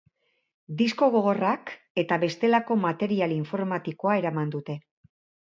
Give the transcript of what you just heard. Disko gogorrak eta bestelako material informatikoa eraman dute.